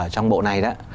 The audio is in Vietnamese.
trong bộ này đó